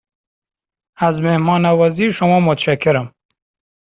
از مهمان نوازی شما متشکرم.